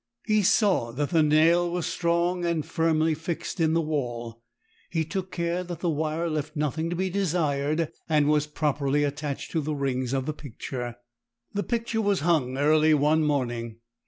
He saw that the nail was strong, and firmly fixed in the wall; he took care that the wire left nothing to be desired and was properly attached to the rings of the picture. The picture was hung early one morning.